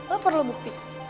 lo perlu bukti